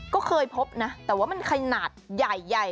ก็เคยพบนะแต่ว่ามันขนาดใหญ่